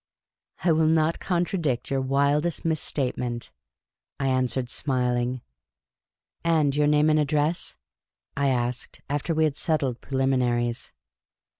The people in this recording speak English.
" I will not contradict your wildest misstatement," I an swered, smiling. " And your name and address? " I asked, after we had settled preliminaries.